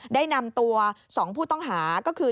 ได้นำตัว๒ผู้ต้องหาก็คือ